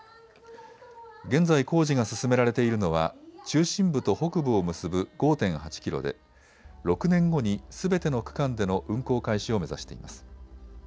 現在、工事が進められているのは中心部と北部を結ぶ５．８キロで６年後にすべての区間での運行開始を目指しています。